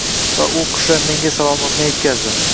Va u qushlar menga salomingni yetkazdi.